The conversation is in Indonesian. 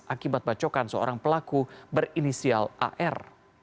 akibat bacokan seorang pelaku berinisial ar